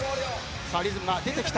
さあリズムが出てきた。